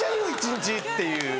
１日！っていう。